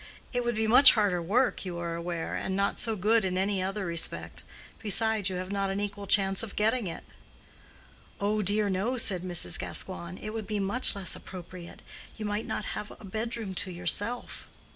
It would be much harder work, you are aware, and not so good in any other respect. Besides, you have not an equal chance of getting it." "Oh dear no," said Mrs. Gascoigne, "it would be much harder for you, my dear—it would be much less appropriate. You might not have a bedroom to yourself."